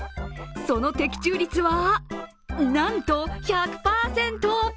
その的中率は、なんと１００％。